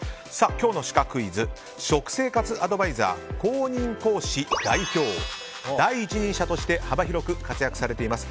今日のシカクイズ食生活アドバイザー公認講師代表第一人者として幅広く活躍されています